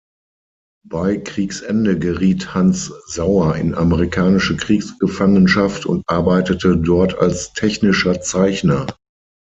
Bei Kriegsende geriet Hans Sauer in amerikanische Kriegsgefangenschaft und arbeitete dort als technischer Zeichner.